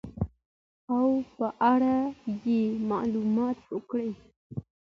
او په اړه يې معلومات ورکړي .